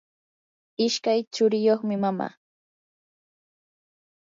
ishkay churiyuqmi mama.